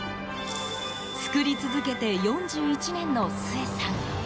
作り続けて４１年のスエさん。